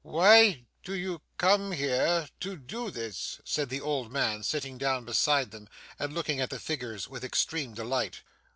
'Why do you come here to do this?' said the old man, sitting down beside them, and looking at the figures with extreme delight.